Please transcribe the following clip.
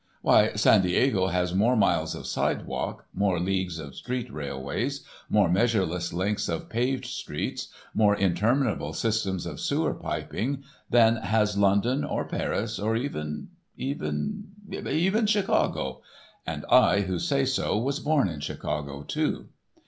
Why, San Diego has more miles of sidewalk, more leagues of street railways, more measureless lengths of paved streets, more interminable systems of sewer piping, than has London or Paris or even—even—even Chicago (and I who say so was born in Chicago, too)!